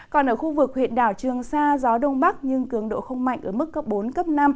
còn ở khu vực huyện đảo trường sa gió đông bắc nhưng cường độ không mạnh ở mức cấp bốn cấp năm